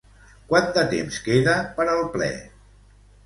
Quant de temps queda per al ple?